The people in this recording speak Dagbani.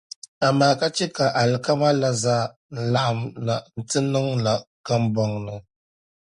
amaa ka chɛ alikama la zaa n-laɣim na nti niŋ n kambɔŋ ni.